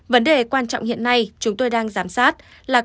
vấn đề quan trọng hiện nay chúng tôi đang giám sát là